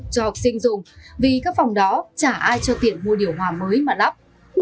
cho học sinh dùng vì các phòng đó chả ai cho tiện mua điều hòa mới mà lắp